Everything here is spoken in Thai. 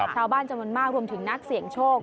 ชาวบ้านจำนวนมากรวมถึงนักเสี่ยงโชค